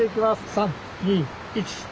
３２１。